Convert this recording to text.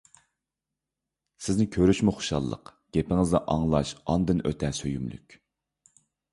سىزنى كۆرۈشمۇ خۇشاللىق، گېپىڭىزنى ئاڭلاش ئاندىن ئۆتە سۆيۈملۈك!